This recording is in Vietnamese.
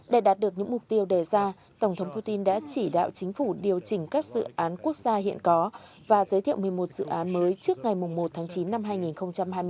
để đạt được những mục tiêu đề ra tổng thống putin đã chỉ đạo chính phủ điều chỉnh các dự án quốc gia hiện có và giới thiệu một mươi một dự án mới trước ngày một tháng chín năm hai nghìn hai mươi bốn